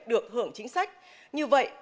được hưởng chính sách như vậy